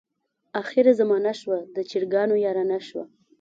اخره زمانه شوه، د چرګانو یارانه شوه.